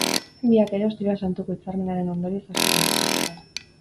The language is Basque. Biak ere, Ostiral Santuko Hitzarmenaren ondorioz aske gelditu ziren.